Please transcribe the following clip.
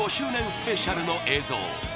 スペシャルの映像。